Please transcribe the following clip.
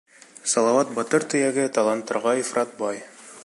— Салауат батыр төйәге таланттарға ифрат бай.